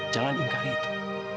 jangan ingkari itu